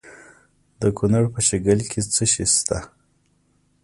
د کونړ په شیګل کې څه شی شته؟